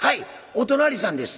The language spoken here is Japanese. お隣さんです」。